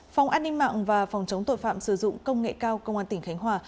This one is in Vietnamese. phòng an ninh mạng và phòng chống tội phạm sử dụng công nghệ cao công an tỉnh khánh hòa